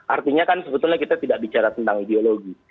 artinya kan sebetulnya kita tidak bicara tentang ideologi